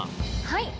はい。